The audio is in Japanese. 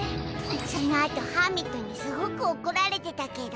その後ハーミットにすごく怒られてたけど。